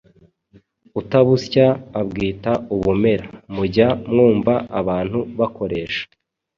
Utabusya abwita ubumera” mujya mwumva abantu bakoresha.